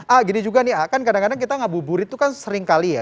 ah gini juga nih kan kadang kadang kita ngabubur itu kan sering kali ya